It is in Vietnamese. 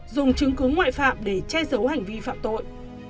dùng chứng cứ ngoại phạm để che giấu hành vi phạm tội